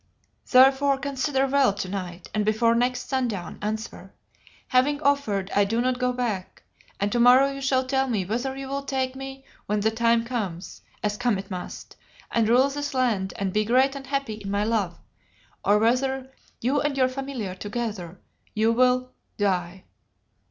"Therefore, consider well to night and before next sundown answer. Having offered, I do not go back, and tomorrow you shall tell me whether you will take me when the time comes, as come it must, and rule this land and be great and happy in my love, or whether, you and your familiar together, you will die.